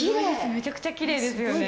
めちゃくちゃキレイですよね。